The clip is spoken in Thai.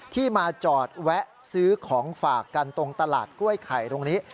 ที่มาจอดแวะซื้อของฝากกันตรงตลาดกล้วยไข่ตรงนี้